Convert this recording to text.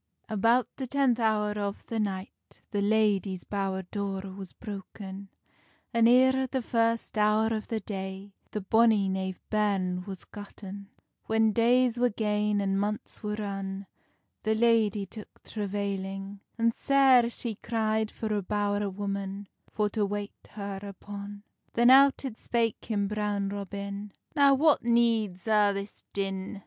About the tenth hour of the night, The ladie's bowr door was broken, An eer the first hour of the day The bonny knave bairn was gotten. When days were gane and months were run, The ladye took travailing, And sair she cry'd for a bow'r woman, For to wait her upon. Then out it spake him, Brown Robin: "Now what needs a' this din?